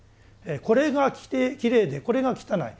これがきれいでこれが汚い。